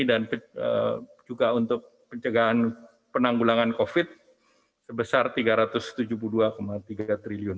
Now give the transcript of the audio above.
dan juga untuk pencegahan penanggulangan covid sebesar rp tiga ratus tujuh puluh dua tiga triliun